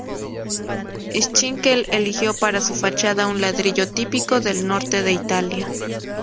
Schinkel eligió para su fachada un ladrillo típico del norte de Italia.